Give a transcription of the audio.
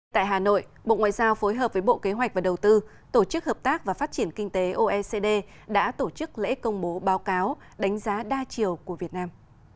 tại hà nội bộ ngoại giao phối hợp với bộ kế hoạch và đầu tư tổ chức hợp tác và phát triển kinh tế oecd đã tổ chức lễ công bố báo cáo đánh giá đa chiều của việt nam